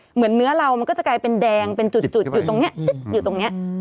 เหมือนเนื้อเรามันก็จะกลายเป็นแดงเป็นจุดอยู่ตรงนี้อยู่ตรงนี้